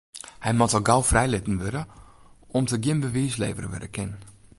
Hy moat al gau frijlitten wurde om't der gjin bewiis levere wurde kin.